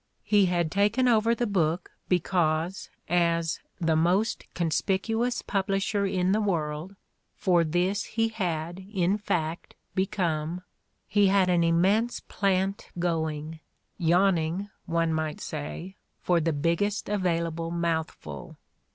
'' He had taken over the book because, as "the most conspicuous publisher in the world" — for this he had, in fact, become — he had an immense plant going, yawning, one might say, for the biggest available mouthful.